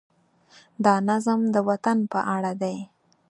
دا نظم د وطن په اړه دی.